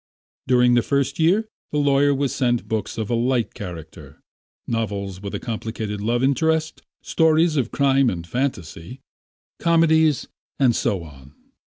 During the first year the lawyer was sent books of a light character; novels with a complicated love interest, stories of crime and fantasy, comedies, and so on.